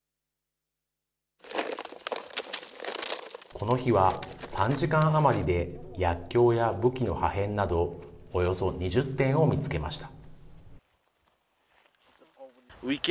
この日は３時間余りで、薬きょうや武器の破片など、およそ２０点を見つけました。